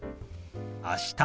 「あした」。